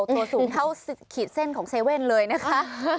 ตัวสูงเท่าขีดเส้นของ๗๑๑เลยนะคะ